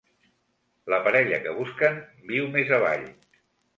La parella que busquen viu més avall.